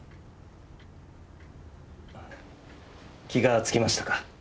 気がつきましたか。